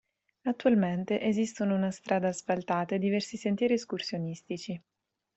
Attualmente, esistono una strada asfaltata e diversi sentieri escursionistici.